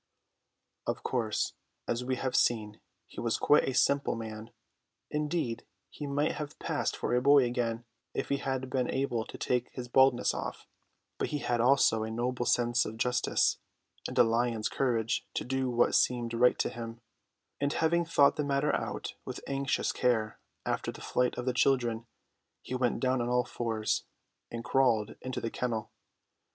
Of course, as we have seen, he was quite a simple man; indeed he might have passed for a boy again if he had been able to take his baldness off; but he had also a noble sense of justice and a lion's courage to do what seemed right to him; and having thought the matter out with anxious care after the flight of the children, he went down on all fours and crawled into the kennel.